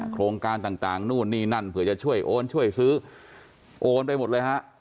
โครงการต่างนู่นนี่นั่นเผื่อจะช่วยโอนช่วยซื้อโอนไปหมดเลยฮะ